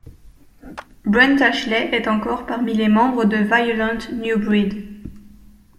Brent Ashley est encore parmi les membres de Violent New Breed.